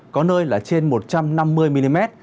có nơi là trên một trăm năm mươi mm